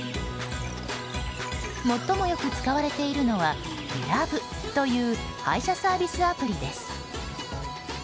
最もよく使われているのはグラブという配車サービスアプリです。